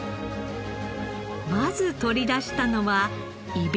まず取り出したのはイベリコ豚。